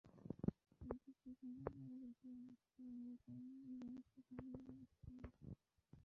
কিন্তু সেখানে আরও বেশি অসুস্থ হয়ে পড়েন এবং সেখানেই তাঁর মৃত্যু হয়।